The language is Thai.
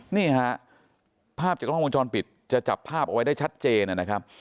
นี่ฮะภาพจากกล้องวงจรปิดจะจับภาพเอาไว้ได้ชัดเจนนะครับ